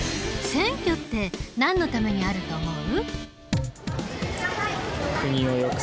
選挙ってなんのためにあると思う？